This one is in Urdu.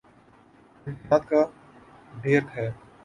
ممکنات کا ڈھیر ہے۔